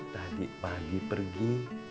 tadi pagi pergi